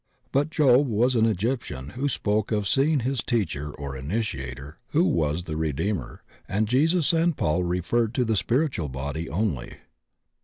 But Job was an Egyptian who spoke of see ing his teacher or initiator, who was the redeemer, and Jesus and Paul referred to the spiritual body only.